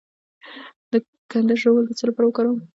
د کندر ژوول د څه لپاره وکاروم؟